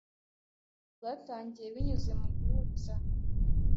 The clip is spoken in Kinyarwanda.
rwatangiye binyuze mu guhuriza hamwe